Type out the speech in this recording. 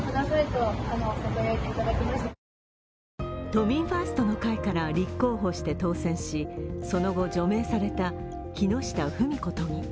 都民ファーストの会から立候補して当選しその後、除名された木下富美子都議。